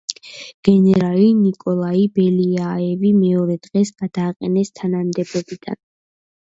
გენერალი ნიკოლაი ბელიაევი მეორე დღეს გადააყენეს თანამდებობიდან.